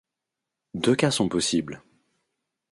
Deux cas sont possibles.